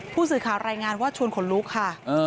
ผู้สื่อข่าวรายงานว่าชวนขนลุกค่ะ